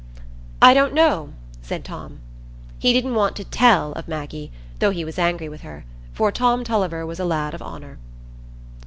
"I don't know," said Tom. He didn't want to "tell" of Maggie, though he was angry with her; for Tom Tulliver was a lad of honour.